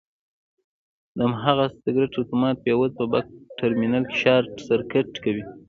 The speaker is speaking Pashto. د هماغه سرکټ اتومات فیوز په بکس ټرمینل کې شارټ سرکټ کوي.